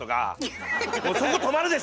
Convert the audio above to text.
「そこ止まるでしょ！」とか。